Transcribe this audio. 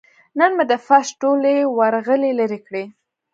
نن مې د فرش ټولې ورغلې لرې کړې.